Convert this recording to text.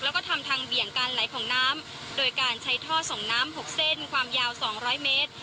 แล้วก็ทำทางเบี่ยงการไหลของน้ำโดยการใช้ท่อส่งน้ำ๖เส้นความยาว๒๐๐เมตร